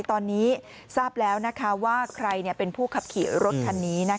ตอนนี้ทราบแล้วว่าใครเป็นผู้ขับขี่รถคันนี้